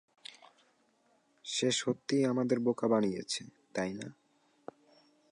সে সত্যিই আমাদের বোকা বানিয়েছে, তাই না?